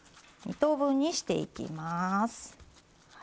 ２等分にしていきます。